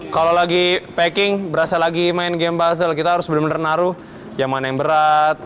kalau lagi packing berasa lagi main game buzzle kita harus benar benar naruh yang mana yang berat